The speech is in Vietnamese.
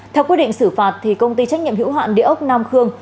theo quyết định xử phạt công ty trách nhiệm hữu hạn địa ốc nam khương